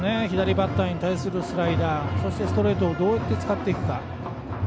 左バッターに対するスライダーそしてストレートをどうやって使っていくか。